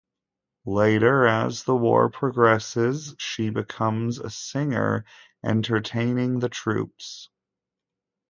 Later, as the war progresses, she becomes a singer entertaining the troops.